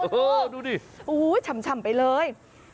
โอ้โฮดูดิโอ้โฮฉ่ำไปเลย